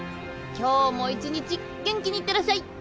今日も１日元気にいってらっしゃい。